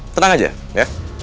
tenang aja ya